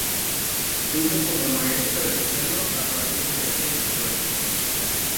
Tuvo como maestra de piano a Patricia Aguirre Cuevas.